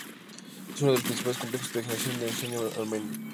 Es uno de los principales complejos de generación de energía de Armenia.